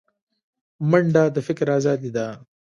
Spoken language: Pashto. منډه د فکر ازادي ده